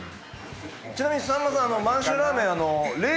ちなみにさんまさん満洲ラーメン